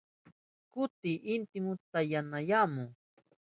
Kuti intimun tamyanayamun.